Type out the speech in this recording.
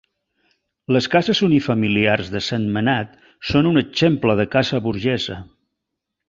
Les cases unifamiliars de Sentmenat són un exemple de casa burgesa.